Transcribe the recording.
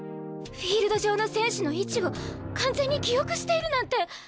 フィールド上の選手の位置を完全に記憶しているなんて！